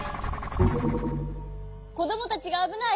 こどもたちがあぶない！